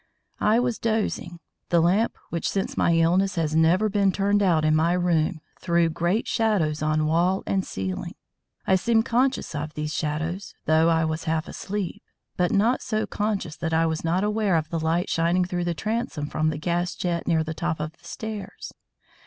I was dozing. The lamp which since my illness has never been turned out in my room, threw great shadows on wall and ceiling. I seemed conscious of these shadows, though I was half asleep, but not so conscious that I was not aware of the light shining through the transom from the gas jet near the top of the stairs.